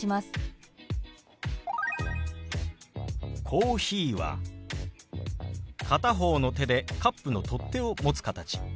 「コーヒー」は片方の手でカップの取っ手を持つ形。